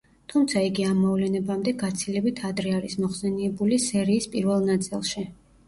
თუმცა იგი ამ მოვლენებამდე გაცილებით ადრე არის მოხსენიებული სერიის პირველ ნაწილში.